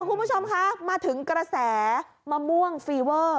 คุณผู้ชมคะมาถึงกระแสมะม่วงฟีเวอร์